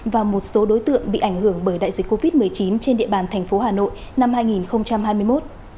và một số đối tượng bị ảnh hưởng bởi đại dịch covid một mươi chín trên địa bàn thành phố hà nội năm hai nghìn hai mươi một